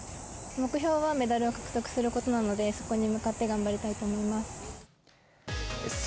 目標はメダルを獲得することなので、そこに向かって頑張りたいと思います。